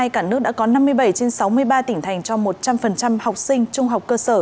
cả nước đã có năm mươi bảy trên sáu mươi ba tỉnh thành cho một trăm linh học sinh trung học cơ sở